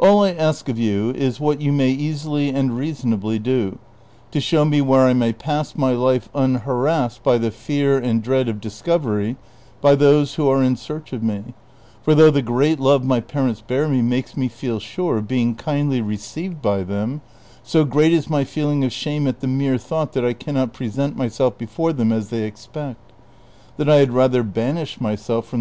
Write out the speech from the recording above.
All I ask of you is, what you may easily and reasonably do, to show me where I may pass my life unharassed by the fear and dread of discovery by those who are in search of me ; for though the great love my parents bear me makes me feel sure of being kindly received by them, so great is my feeling of shame at the mere thought that I can not present myself before them as they expect, that I had rather banish myself from CHAPTER XXIX.